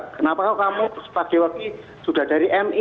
kenapa kamu sepagi wagi sudah dari mi